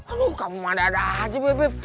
aduh kamu madada aja bebek